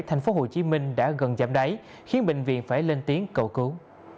thành phố hồ chí minh đã gần giảm đáy khiến bệnh viện phải lên tiếng cầu cứu